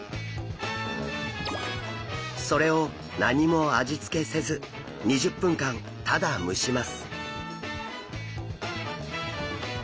それを何も味付けせず２０分間ただ蒸します。